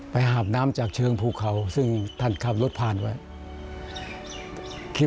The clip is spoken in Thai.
อาบน้ำจากเชิงภูเขาซึ่งท่านขับรถผ่านไว้